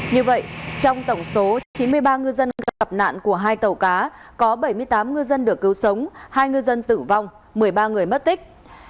như vậy trong tổng số chín mươi ba ngư dân gặp nạn của hai tàu cá có bảy mươi tám ngư dân được cứu sống hai ngư dân tử vong một mươi ba người mất tích